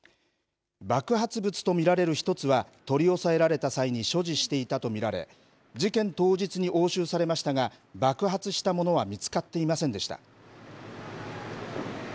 爆発物と見られる１つは、取り押さえられた際に所持していたと見られ、事件当日に押収されましたが、爆発したものは見つかっていませんでした。